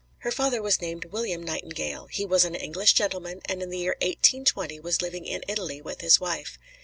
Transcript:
Her father was named William Nightingale. He was an English gentleman, and in the year 1820 was living in Italy with his wife.